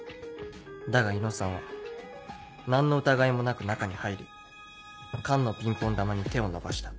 だが伊能さんは何の疑いもなく中に入り缶のピンポン球に手を伸ばした。